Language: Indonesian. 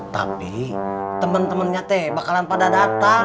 tapi temen temennya teh bakalan pada datang